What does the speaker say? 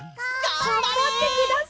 がんばってください。